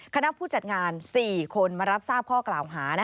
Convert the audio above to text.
คณะผู้จัดงาน๔คนมารับทราบข้อกล่าวหา